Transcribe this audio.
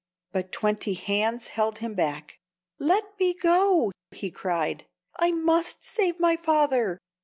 But twenty hands held him back. "Let me go!" he cried. "I must save my father!"